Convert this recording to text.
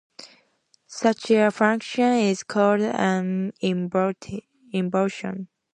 Such a function is called an involution.